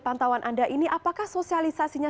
pantauan anda ini apakah sosialisasinya